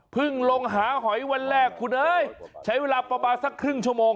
ลงหาหอยวันแรกคุณเอ้ยใช้เวลาประมาณสักครึ่งชั่วโมง